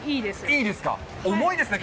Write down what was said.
いいですよ。